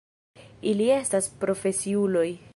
Ili estas profesiuloj.